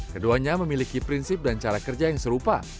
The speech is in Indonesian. keduanya memiliki prinsip dan cara kerja yang serupa